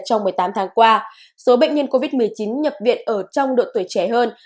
trong một mươi tám tháng qua số bệnh nhân covid một mươi chín nhập viện ở trong độ tuổi trẻ hơn